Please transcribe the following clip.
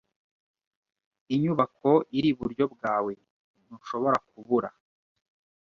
Inyubako iri iburyo bwawe. Ntushobora kubura.